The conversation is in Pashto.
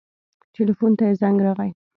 ټېلفون ته يې زنګ راغى.